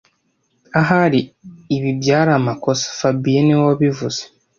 Ahari ibi byari amakosa fabien niwe wabivuze